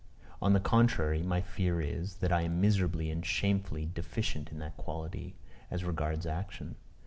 On the contrary, my fear is, that I am miserably and shamefully deficient in that quality as regards action.